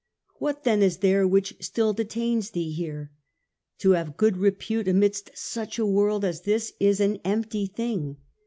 What then is there which still detains thee here ? To have good repute amidst such a world as this is an empty thing.